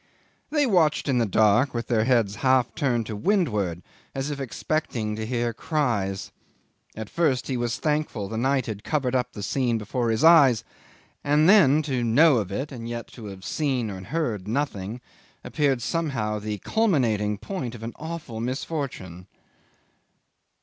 'They watched in the dark with their heads half turned to windward as if expecting to hear cries. At first he was thankful the night had covered up the scene before his eyes, and then to know of it and yet to have seen and heard nothing appeared somehow the culminating point of an awful misfortune.